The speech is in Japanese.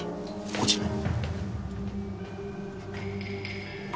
こちらに。